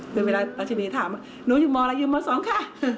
คือเวลารัชนีถามหนูอยู่มอะไรอยู่ม๒ค่ะ